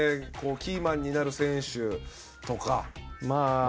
キーマンになる選手とか。